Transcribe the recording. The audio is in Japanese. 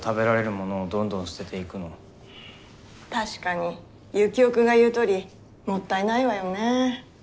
確かにユキオ君が言うとおりもったいないわよね。